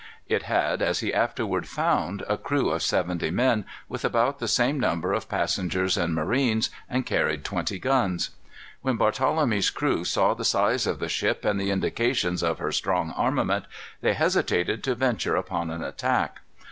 It had, as he afterward found, a crew of seventy men, with about the same number of passengers and marines, and carried twenty guns. When Barthelemy's crew saw the size of the ship and the indications of her strong armament, they hesitated to venture upon an attack.